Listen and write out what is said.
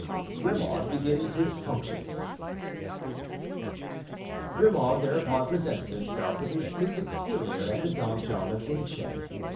Grimaud begins his Functions. Grimaud thereupon presented himself with his smooth exterior at the donjon of Vincennes.